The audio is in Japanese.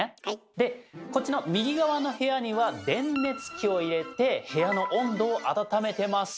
でこっちの右側の部屋には電熱器を入れて部屋の温度をあたためてます。